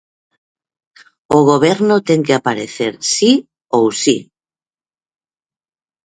O Goberno ten que aparecer si ou si.